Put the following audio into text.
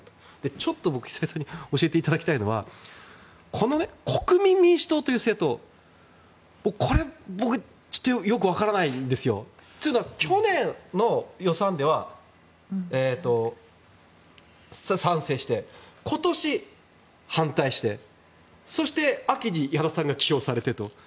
ちょっと久江さんに教えていただきたいのは国民民主党という政党これ、僕はちょっとよく分からないんですよ。というのは去年の予算では賛成して今年反対して、そして秋に矢田さんが起用されてと。